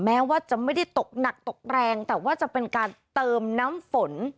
แม้ว่าจะไม่ได้ตกหนักตกแรงแต่ว่าจะเป็นการเติมน้ำฝน